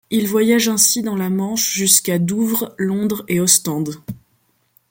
Il voyage ainsi dans la Manche jusqu'à Douvres, Londres et Ostende.